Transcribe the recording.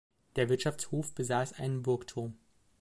Der Wirtschaftshof besaß einen Burgturm.